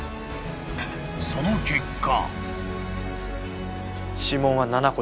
［その結果］